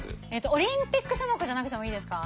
オリンピック種目じゃなくてもいいですか？